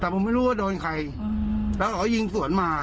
แต่ผมไม่รู้ว่าโดนใครแล้วเขายิงสวนมา